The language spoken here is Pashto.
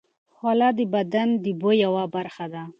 خوله د بدن د بوی یوه برخه ده.